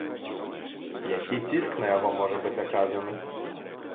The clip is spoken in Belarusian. Які ціск на яго можа быць аказаны?